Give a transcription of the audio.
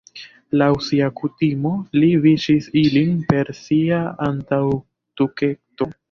Laŭ sia kutimo li viŝis ilin per sia antaŭtuketo.